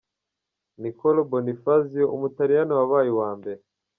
Niccolo Bonifazio umutaliyani wabaye uwa mbere .